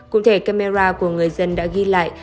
cụ thể camera của người dân đã ghi lại